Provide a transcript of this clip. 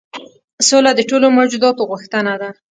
سوله د ټولو موجوداتو غوښتنه ده.